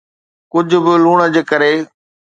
ڪجھ به لوڻ جي ڪري